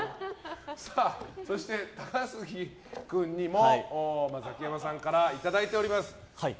そして、高杉君にもザキヤマさんからいただいております。